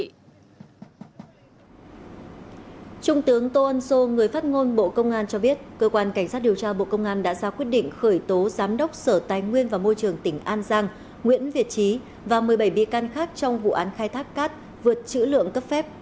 trung tướng tô ân sô người phát ngôn bộ công an cho biết cơ quan cảnh sát điều tra bộ công an đã ra quyết định khởi tố giám đốc sở tài nguyên và môi trường tỉnh an giang nguyễn việt trí và một mươi bảy bi can khác trong vụ án khai thác cát vượt chữ lượng cấp phép